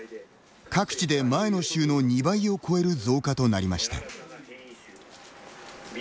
各地で前の週の２倍を超える増加となりました。